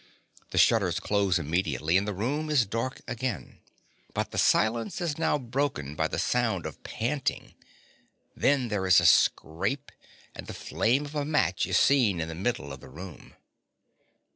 The shutters close immediately and the room is dark again. But the silence is now broken by the sound of panting. Then there is a scrape; and the flame of a match is seen in the middle of the room.